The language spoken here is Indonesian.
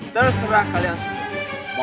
terserah kalian semua